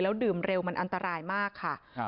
ดื่มเร็วมันอันตรายมากค่ะ